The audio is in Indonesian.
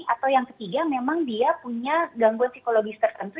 atau yang ketiga memang dia punya gangguan psikologis tertentu